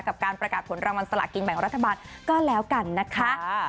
กับการประกาศผลรางวัลสละกินแบ่งรัฐบาลก็แล้วกันนะคะ